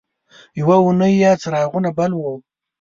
یوه اونۍ یې څراغونه بل وو.